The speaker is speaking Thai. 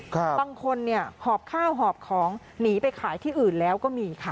บางคนเนี่ยหอบข้าวหอบของหนีไปขายที่อื่นแล้วก็มีค่ะ